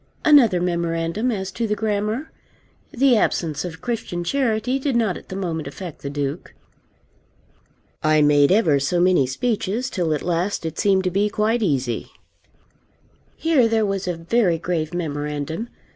Another memorandum as to the grammar. The absence of Christian charity did not at the moment affect the Duke. I made ever so many speeches, till at last it seemed to be quite easy. Here there was a very grave memorandum.